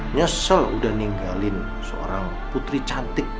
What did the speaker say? nyesel udah ninggalin seorang putri cantik